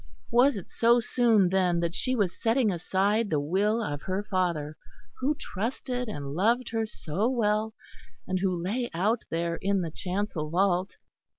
Was it so soon then that she was setting aside the will of her father, who trusted and loved her so well, and who lay out there in the chancel vault?